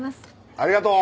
ありがとう！